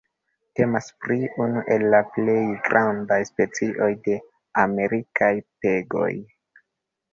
Temas pri unu el la plej grandaj specioj de amerikaj pegoj.